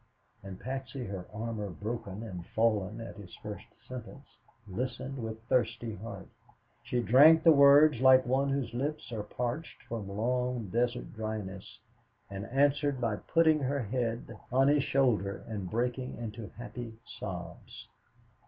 And Patsy, her armor broken and fallen at his first sentence, listened with thirsty heart. She drank the words like one whose lips are parched from long desert dryness, and answered by putting her head on his shoulder and breaking into happy sobs.